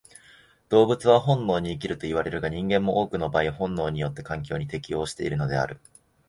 動物は本能に生きるといわれるが、人間も多くの場合本能によって環境に適応しているのである。